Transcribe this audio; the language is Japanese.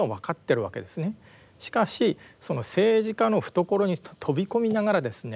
しかしその政治家の懐に飛び込みながらですね